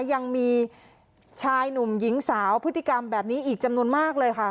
ยังมีชายหนุ่มหญิงสาวพฤติกรรมแบบนี้อีกจำนวนมากเลยค่ะ